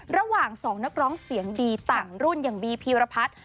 ระหว่าง๒นักร้องเสียงดีต่างรุ่นอย่างบีพีรพัฒน์